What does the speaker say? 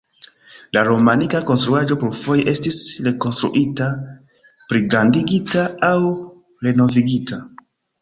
La romanika konstruaĵo plurfoje estis trakonstruita, pligrandigita aŭ renovigita.